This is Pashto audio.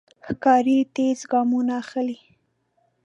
ښکاري تېز ګامونه اخلي.